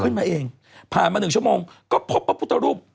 ขึ้นมาเองผ่านมา๑ชั่วโมงก็พบพระพุทธรูป